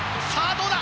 どうだ！